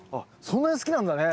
そんなに好きなんだね。